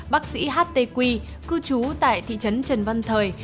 bác sĩ htq cư trú tại thị trấn trần văn thời